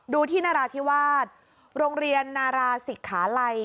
ที่นราธิวาสโรงเรียนนาราศิกขาลัย